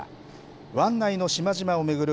湾内の島々を巡る